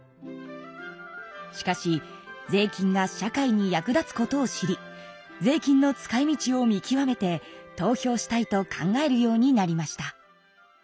しかし税金が社会に役立つことを知り税金の使いみちを見極めて投票したいと考えるようになりました。